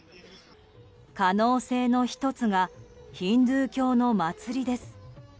可能性の１つがヒンドゥー教の祭りです。